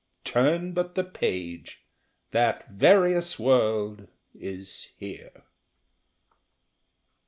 ... Turn but the page, that various world is here!